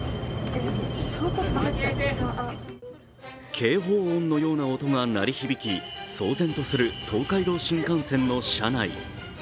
警報音のような音が鳴り響き、騒然とする東海道新幹線の車内。